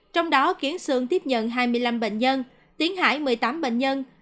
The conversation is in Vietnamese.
trong đó kiến sương tiếp nhận hai mươi năm bệnh nhân tiến hải một mươi tám bệnh nhân